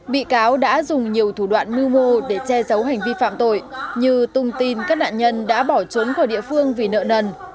bị cáo đã dùng nhiều thủ đoạn mưu mô để che giấu hành vi phạm tội như tung tin các nạn nhân đã bỏ trốn khỏi địa phương vì nợ nần